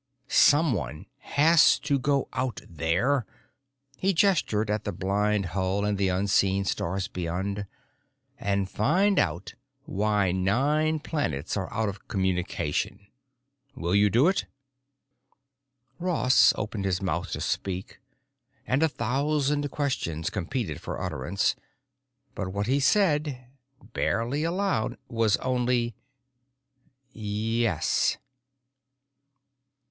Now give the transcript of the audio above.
Someone has to go out there——" he gestured to the blind hull and the unseen stars beyond—"and find out why nine planets are out of communication. Will you do it?" Ross opened his mouth to speak, and a thousand questions competed for utterance. But what he said, barely aloud, was only: "Yes."